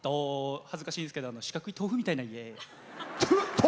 恥ずかしいんですけど四角い豆腐みたいな家。